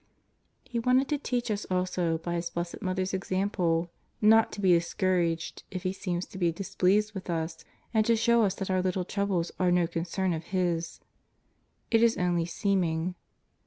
He wanted to teach us also by His Blessed Mother's example not to be discouraged if He seems to be dis pleased with us, and to show us that our little troubles are no concern of His. It is only seeming.